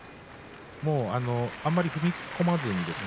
あまり踏み込まずにですね。